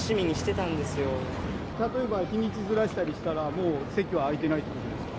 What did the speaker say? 例えば、日にちずらしたりしたら、もう席は空いてないということですか？